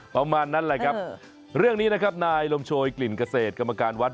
ประมาณนั้นแหละครับเรื่องนี้นะครับนายลมโชยกลิ่นเกษตรกรรมการวัด